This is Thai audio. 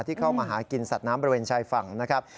เข้ามาหากินสัตว์น้ำบริเวณชายฝั่งนะครับ